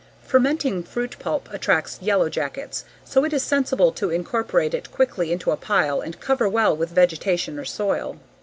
Fermenting fruit pulp attracts yellow jackets so it is sensible to incorporate it quickly into a pile and cover well with vegetation or soil.